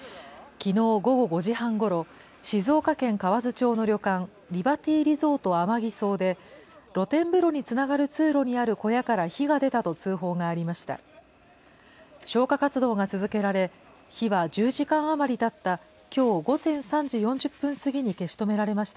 きのう午後５時半ごろ、静岡県河津町の旅館、リバティリゾートＡＭＡＧＩＳＯで、露天風呂につながる通路にある小屋から火が出たと通報がありました。